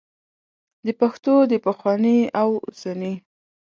د پښتو د پخواني او اوسني